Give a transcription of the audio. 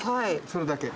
それだけ。